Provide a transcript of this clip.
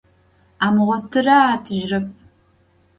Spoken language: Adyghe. Amığotıre atıjırep.